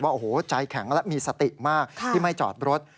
โอ้โหใจแข็งและมีสติมากที่ไม่จอดรถ